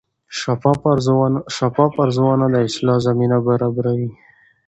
شفاف ارزونه د اصلاح زمینه برابروي.